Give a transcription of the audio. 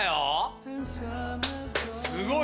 すごい！